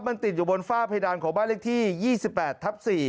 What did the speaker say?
มันติดอยู่บนฝ้าเพดานของบ้านเลขที่๒๘ทับ๔